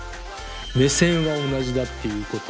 目線は同じだっていうこと。